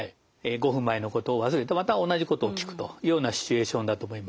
５分前のことを忘れてまた同じことを聞くというようなシチュエーションだと思います。